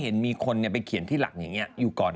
เห็นมีคนไปเขียนที่หลังอยู่ก่อน